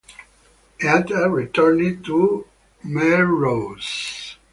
Eata returned to Melrose.